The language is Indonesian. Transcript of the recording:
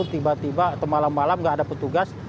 tiba tiba malam malam tidak ada petugas